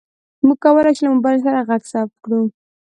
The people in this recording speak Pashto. موږ کولی شو له موبایل سره غږ ثبت کړو.